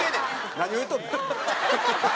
何を言うとんねん。